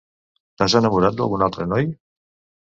T"has enamorat d"algun altre noi?